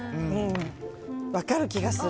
分かる気がする。